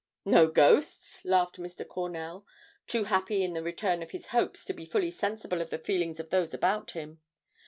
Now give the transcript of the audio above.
"No ghosts?" laughed Mr. Cornell, too happy in the return of his hopes to be fully sensible of the feelings of those about him.